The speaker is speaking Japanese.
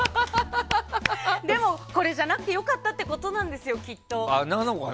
でも、これじゃなくてよかったということなんですよ。